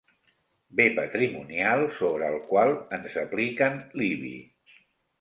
Be patrimonial sobre el qual ens apliquen l'IBI.